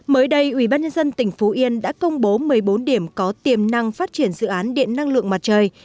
mới đây ubnd tỉnh phú yên đã công bố một mươi bốn điểm có tiềm năng phát triển dự án điện năng lượng mặt trời